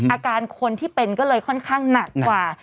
อาการคนที่เป็นก็เลยค่อนข้างหนักกว่า